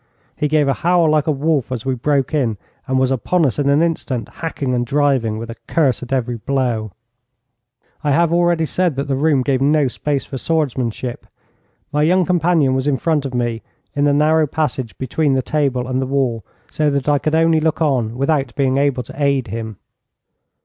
He gave a howl like a wolf as we broke in, and was upon us in an instant, hacking and driving, with a curse at every blow. I have already said that the room gave no space for swordsmanship. My young companion was in front of me in the narrow passage between the table and the wall, so that I could only look on without being able to aid him.